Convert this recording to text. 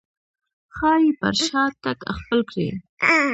ښايي پر شا تګ خپل کړي.